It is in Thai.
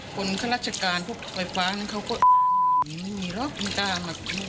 คนราชการไฟฟ้านั้นเขาก็ไม่มีหรอกมีการแบบนี้